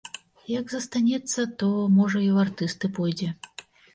Як застанецца, то, можа, і ў артысты пойдзе.